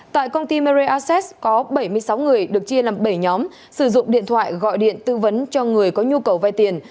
tại công ty mer aces có bảy mươi sáu người được chia làm bảy nhóm sử dụng điện thoại gọi điện tư vấn cho người có nhu cầu vay tiền